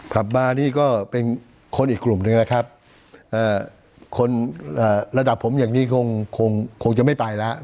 มานี่ก็เป็นคนอีกกลุ่มหนึ่งนะครับคนระดับผมอย่างนี้คงจะไม่ไปแล้ว